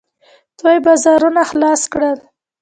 دوی بازارونه خلاص کړل.